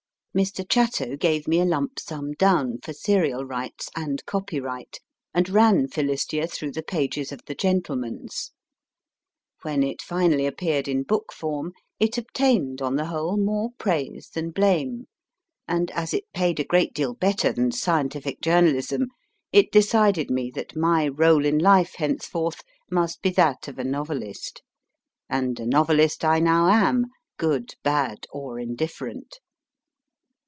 Mr. Chatto gave me a lump sum down for serial rights and copyright, and ran Philistia through the pages of The Gentleman s. When it finally appeared in book form, it obtained on the whole more praise than blame, and, as it paid a great deal better than scientific journalism, it decided me that my role in life henceforth must be that of a novelist. And a novelist I now am, good, bad, or indifferent.